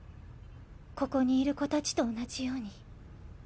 ここにいる子たちと同じように。